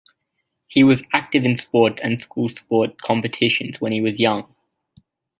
He was active in sports and school sport competitions when he was young.